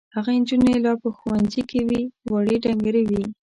هغه نجونې لا په ښوونځي کې وې وړې ډنګرې وې.